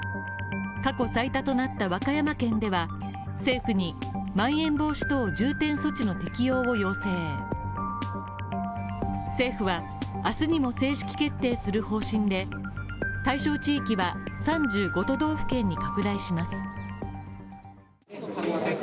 過去最多となった和歌山県では、政府にまん延防止等重点措置の適用を要請政府は明日にも正式決定する方針で、対象地域は３５都道府県に拡大します。